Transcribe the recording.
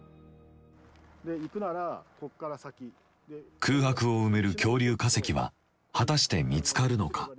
空白を埋める恐竜化石は果たして見つかるのか。